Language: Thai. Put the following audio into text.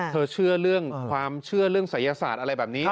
เธอเชื่อหว่าเรื่องม่าศัยยศาสตร์อะไรแบบนี้